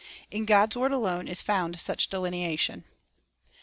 In God's word alone is found such delineation.